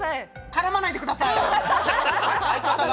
絡まないでください！